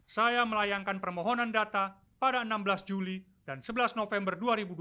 saya melayangkan permohonan data pada enam belas juli dan sebelas november dua ribu dua puluh